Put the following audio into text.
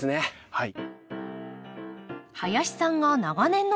はい。